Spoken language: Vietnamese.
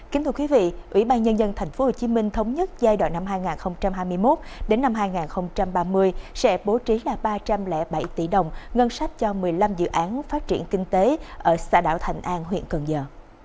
kính thưa quý vị ủy ban nhân dân tp hcm thống nhất giai đoạn năm hai nghìn hai mươi một đến năm hai nghìn ba mươi sẽ bố trí là ba trăm linh bảy tỷ đồng ngân sách cho một mươi năm dự án phát triển kinh tế ở xã đảo thành an huyện cần giờ